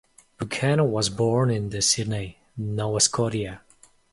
Buchanan was born in Sydney, Nova Scotia.